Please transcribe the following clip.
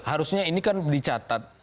harusnya ini kan dicatat